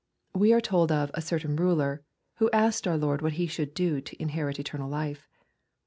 We are told of " a cer tain ruler," who asked our Lord what he should " do to inherit eternal life."